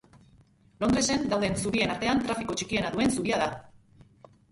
Londresen dauden zubien artean trafiko txikiena duen zubia da.